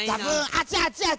あちあちあち！